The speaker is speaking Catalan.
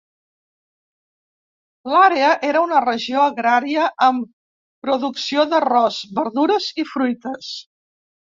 L'àrea era una regió agrària, amb producció d'arròs, verdures i fruita.